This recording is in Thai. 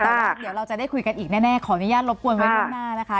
แต่ว่าเดี๋ยวเราจะได้คุยกันอีกแน่ขออนุญาตรบกวนไว้ล่วงหน้านะคะ